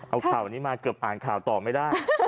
เอาข่าวนี้มาเกือบอ่านข่าวต่อไม่ได้